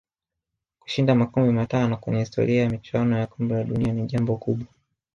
Kushinda makombe matano kwenye historia ya michuano ya kombe la dunia ni jambo kubwa